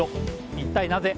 一体なぜ？